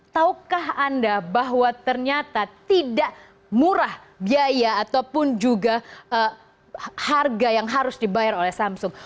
taukah anda bahwa ternyata tidak murah biaya ataupun juga harga yang harus dibayar oleh samsung